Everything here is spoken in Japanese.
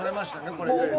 これで。